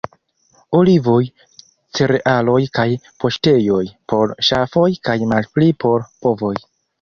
Olivoj, cerealoj kaj paŝtejoj por ŝafoj kaj malpli por bovoj.